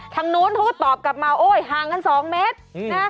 ทางนู้นเขาก็ตอบกลับมาโอ้ยห่างกัน๒เมตรนะ